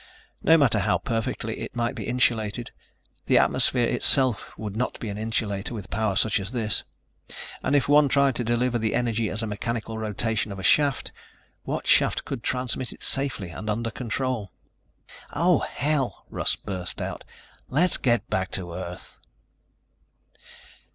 No matter how perfectly it might be insulated, the atmosphere itself would not be an insulator, with power such as this. And if one tried to deliver the energy as a mechanical rotation of a shaft, what shaft could transmit it safely and under control? "Oh, hell," Russ burst out, "let's get back to Earth."